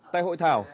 tại hội thảo